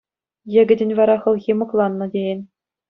Йӗкӗтӗн вара хӑлхи мӑкланнӑ тейӗн.